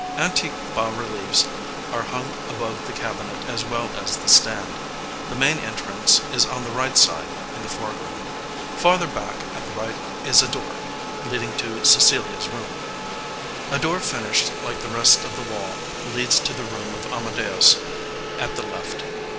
Antique bas reliefs are hung above the cabinet as well as the stand. The main entrance is on the right side in the foreground. Farther back at the right is a door leading to Cecilia's room. A door finished like the rest of the wall leads to the room of Amadeus at the left.